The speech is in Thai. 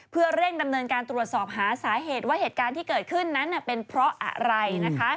เพื่อเร่งดำเนินการตรวจสอบหาสาเหตุว่าเหตุการณ์ที่เกิดขึ้นนั้นเป็นเพราะอะไรนะคะ